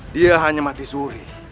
dia hanya mati suri